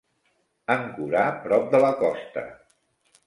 Ancorar prop de la costa.